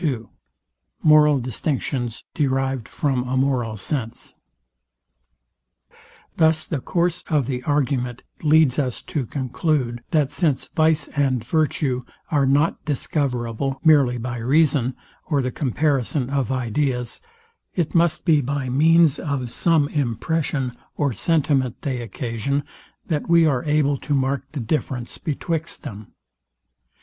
SECT. II MORAL DISTINCTIONS DERIVED FROM A MORAL SENSE Thus the course of the argument leads us to conclude, that since vice and virtue are not discoverable merely by reason, or the comparison of ideas, it must be by means of some impression or sentiment they occasion, that we are able to mark the difference betwixt them.